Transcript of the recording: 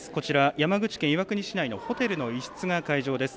山口県岩国市内のホテルの一室が会場です。